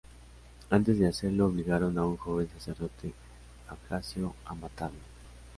Antes de hacerlo, obligaron a un joven sacerdote abjasio a matarlo.